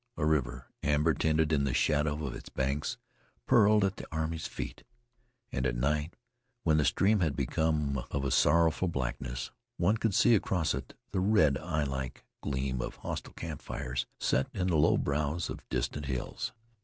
A river, amber tinted in the shadow of its banks, purled at the army's feet; and at night, when the stream had become of a sorrowful blackness, one could see across it the red, eyelike gleam of hostile camp fires set in the low brows of distant hills.